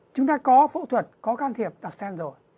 chúng ta có phẫu thuật có can thiệp đặt cent rồi